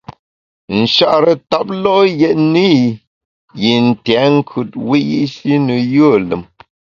Nchare ntap lo’ yètne yi ntèt nkùt wiyi’shi ne yùe lùm.